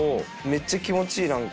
めっちゃ気持ちいい何か。